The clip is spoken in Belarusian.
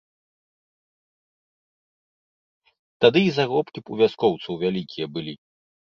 Тады і заробкі б у вяскоўцаў вялікія былі.